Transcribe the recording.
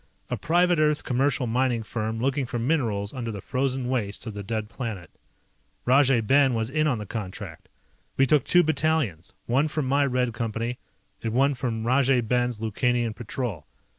A private Earth commercial mining firm looking for minerals under the frozen wastes of the dead planet. Rajay Ben was in on the contract. We took two battalions, one from my Red Company, and one from Rajay Ben's Lukanian Patrol.